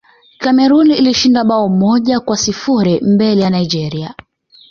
cameroon ilishinda bao moja kwa sifuri mbele ya nigeria